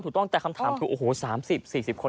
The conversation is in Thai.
ถูกต้องแต่คำถามคือโอ้โห๓๐๔๐คน